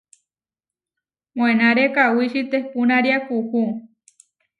Moenáre kawíči tehpúnaria kuú.